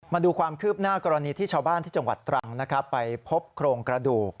มาดูความคืบหน้ากรณีที่ชาวบ้านที่จังหวัดตรังนะครับไปพบโครงกระดูก